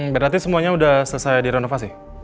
berarti semuanya sudah selesai direnovasi